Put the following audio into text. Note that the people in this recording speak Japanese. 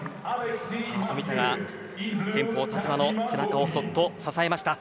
冨田が先鋒の田嶋の背中をそっと支えました。